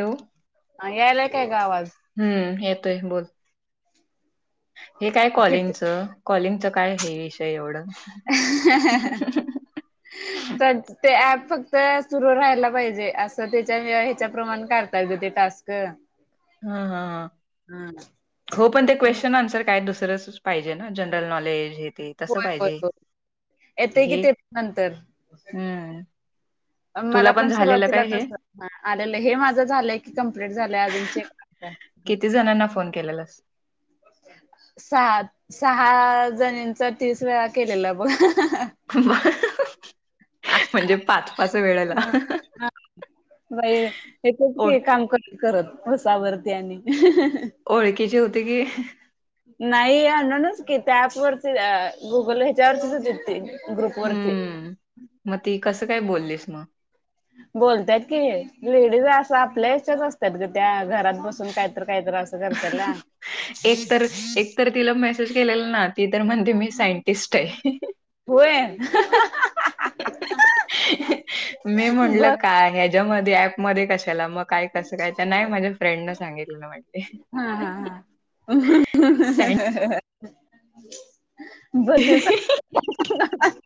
Hello हा यायला काय गं आवाज? हम्म येतोय बोल, हे काय किती कॉलिंगचं कॉलिंगचं काय हे विषय एवढं? [inaudible] तर ते ऍप फक्त सुरू राहायला पाहिजे, असं त्याच्या ह्याच्याप्रमाणे करता येतं गं ते टास्क. [unintelligible] हा हा हा हो पण ते क्वेशचन आन्सर काय दुसरंच पाहिजे ना, जनरल नॉलेज हे ते, तसं होय होय पाहिजे होय येते की हे ते नंतर हम्म. तुला मला पण झालेलं सुरुवातीला काय हे तसं आलेलं. हे माझं झालंय की कंप्लीट झालंय अजून चे किती जणांना फोन केलेलास? सहा सहा जणीचं तीस वेळा केलेलं बघा. म्हणजे पाच पाच वेळेला. बाई हेेतच ओ की, काम कर करत बसावरती आणि. ओळखीचे होते की नाही अननोनच कि, त्या ऍप वरती गुगल ह्याच्यावरतीच होती ती. ग्रुपवरती हम्म मग ती कसं काय बोललीस मग? बोलतंय की लेडीज असं आपल्याच्याच असतात गं त्या, घरात बसून काहीतरं काहीतरं असत. करतला एक तर, एक तर तिला मेसेज केलेला ना ती तर म्हणते मी सायंटिस्ट आहे. होय मी म्हनलं ब काय यामध्ये ऍप मध्ये कशाला? मग काय कसं काय? त्या नाही माझ्या फ्रेंड न सांगितलेलं वाटते. हा हा हा. सँड [inaudible] [inaudible] भाऊबंदाना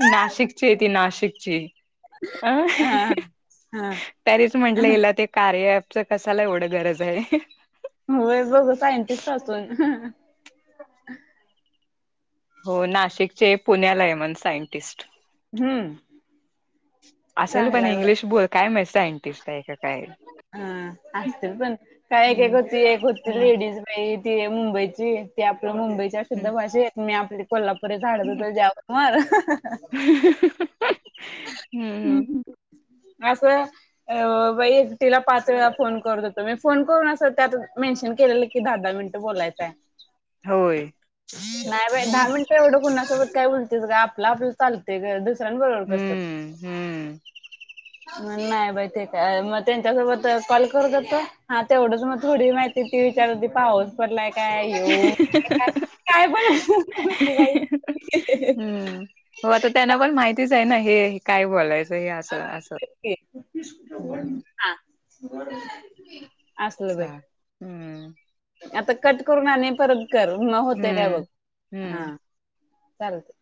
नाशिकची ये ती नाशिकची अं हा. हा तरीच म्हंटलं हा हिला ते कार्य अँपचं कसाला एवढं गरज आहे. होय बघ सायंटिस्ट असून [inaudible] हो नाशिकचेय, पुण्याला आहे मण सायंटिस्ट. हम्म असेल पण चांगलाय बघ. इंग्लिश बोल काय म्ह सायंटिस्ट आहे का काय? अ असतील पण. काय एक एक हम्म होती, एक होती हम्म लेडीज ती मुंबईची, ती आपलं मुंबईच्या हम्म सुद्धा भाषेत. मी आपली कोल्हापुरे झाड हम्म तर जाव मर. हम्म हम् हम्म. हम्....., ह्ं असं. अ बाई, तिला पाच वेळा फोन करत होतो. मी फोन करून, असं त्यात मेन्शन केलेलं कि दहा दहा मिनिटं बोलायचंय. होय नाही बाई, दहा मिनिटं एवढं कुणासोबत काय बोलतेस गं. आपलं आपलं चालतंय गं, दुसऱ्यां बरोबर कसं हम्म हम्म. नाही बाई ते काय? मग त्यांच्यासोबत, कॉल करत होतो. हा, तेवढंच मग थोडी माहि ती, ती विचार होती पाऊस. पडलाय काय येऊन [inaudible] कायपण विचारत होती बाई. हम्म. हो आता त्यांना पण माहितीच आहे ना, हे काय बोलायचं हे असं असं. हम्म. [unintelligible] हा असलं चा बाई. हम्म आता कट करून आणि परत कर, मग होते काय बघ. हम्म हा, हम्म. चालते.